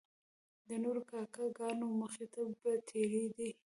د نورو کاکه ګانو مخې ته به تیریدی.